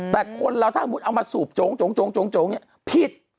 แต่คนเราถ้าเอามาสูบโจ๊งผิด